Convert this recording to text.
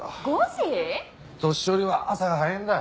年寄りは朝が早いんだ。